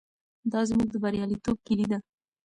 دا زموږ د بریالیتوب کیلي ده.